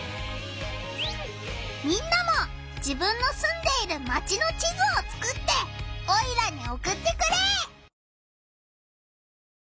みんなも自分のすんでいるマチの地図をつくってオイラにおくってくれ！